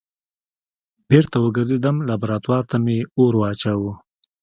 بېرته وګرځېدم لابراتوار ته مې اور واچوه.